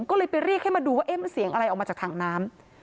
ก็เลยไปเรียกให้มาดูว่าเอ๊ะมันเสียงอะไรออกมาจากถังน้ำ